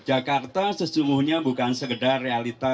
jakarta sesungguhnya bukan sekedar realita